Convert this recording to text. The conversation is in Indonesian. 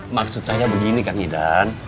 maksud saya begini kang ida